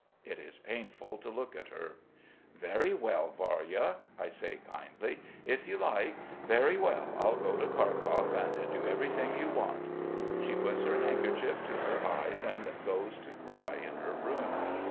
It is painful to look at her. "Very well, Varya," I say kindly, "If you like very well I'll go to Kharkov, and do everything you want." She puts her handkerchief to her eyes and goes to cry in her room.